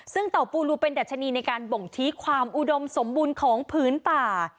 ซึ่งเต่าปูรูเป็นดัชนีในการบ่งชี้ความอุดมสมบูรณ์ของพื้นป่า